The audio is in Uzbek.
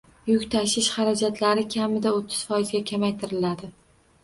Yuk tashish xarajatlari kamida o'ttiz foizga kamaytiriladi